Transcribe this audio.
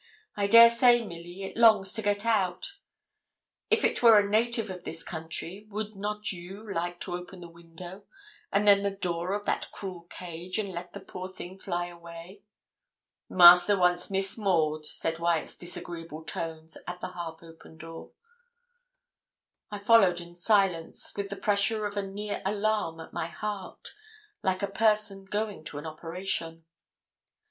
'I dare say, Milly, it longs to get out. If it were a native of this country, would not you like to open the window, and then the door of that cruel cage, and let the poor thing fly away?' 'Master wants Miss Maud,' said Wyat's disagreeable tones, at the half open door. I followed in silence, with the pressure of a near alarm at my heart, like a person going to an operation.